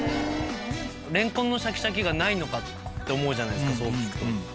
れんこんのシャキシャキがないのかって思うじゃないですかそう聞くと。